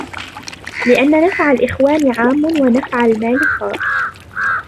لِأَنَّ نَفْعَ الْإِخْوَانِ عَامٌّ وَنَفْعَ الْمَالِ خَاصٌّ